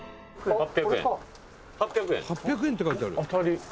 ８００円」８００円って書いてある。